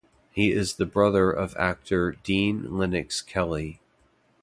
He is the brother of actor Dean Lennox Kelly.